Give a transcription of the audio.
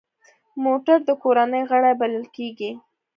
موټر د کورنۍ غړی بلل کېږي.